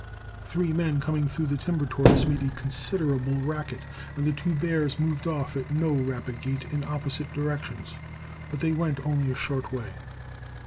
Three men coming through the timber toward us made a considerable racket, and the two bears moved off at no rapid gait in opposite directions; but they went only a short way.